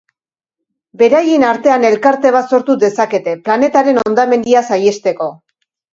Beraien artean elkarte bat sortu dezakete, planetaren hondamendia saihesteko.